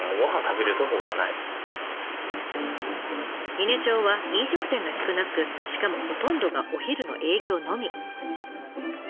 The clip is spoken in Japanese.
伊根町は飲食店が少なくしかもほとんどがお昼の営業のみ。